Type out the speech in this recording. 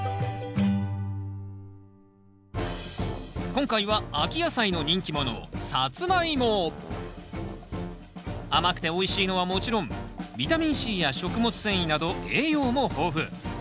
今回は秋野菜の人気者甘くておいしいのはもちろんビタミンＣや食物繊維など栄養も豊富。